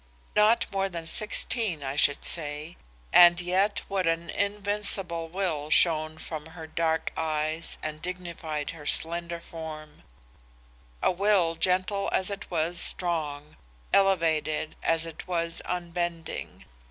Not more than sixteen I should say, and yet what an invincible will shone from her dark eyes and dignified her slender form; a will gentle as it was strong, elevated as it was unbending.